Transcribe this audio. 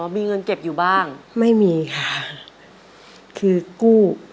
มีเงินเก็บอยู่บ้างไม่มีค่ะ